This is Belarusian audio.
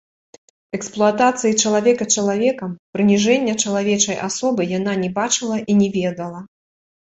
Эксплуатацыі чалавека чалавекам, прыніжэння чалавечай асобы яна не бачыла і не ведала.